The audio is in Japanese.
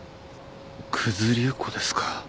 九頭竜湖ですか。